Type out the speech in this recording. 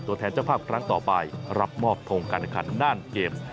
ตัวแทนเจ้าภาพครั้งต่อไปรับมอบทงการแข่งขันด้านเกมส์